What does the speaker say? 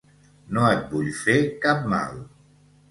No et vull fer cap mal.